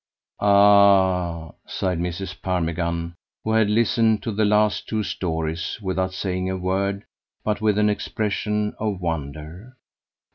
"Ah h h!" sighed Mrs. Parmigan, who had listened to the last two stories without saying a word but with an expression of wonder.